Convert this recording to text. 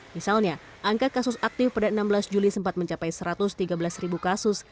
misalnya angka kasus aktif pada enam belas juli sempat mencapai satu ratus tiga belas kasus